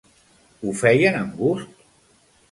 Ho feien amb gust?